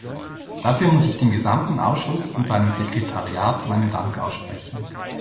Dafür muss ich dem gesamten Ausschuss und seinem Sekretariat meinen Dank aussprechen.